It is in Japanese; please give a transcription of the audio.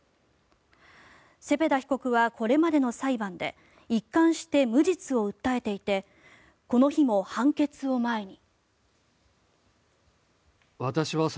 セペダ被告は、これまでの裁判で一貫して無実を訴えていてこの日も判決を前に。